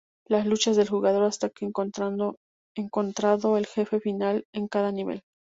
Las luchas de jugador hasta que encontrando el jefe final en cada nivel.